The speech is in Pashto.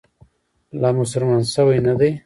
لا مسلمان شوی نه دی.